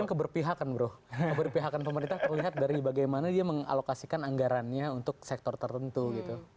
keberpihakan bro keberpihakan pemerintah terlihat dari bagaimana dia mengalokasikan anggarannya untuk sektor tertentu gitu